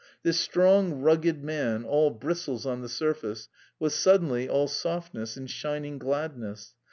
This strong, rugged man, all bristles on the surface, was suddenly all softness and shining gladness.